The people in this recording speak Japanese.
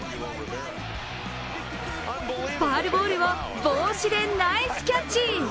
ファウルボールを帽子でナイスキャッチ。